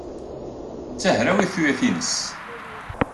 Netta hrawit tuyat-nnes.